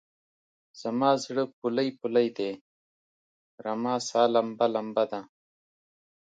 زما زړه پولۍ پولۍدی؛ رما سا لمبه لمبه ده